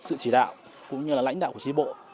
sự chỉ đạo cũng như là lãnh đạo của trí bộ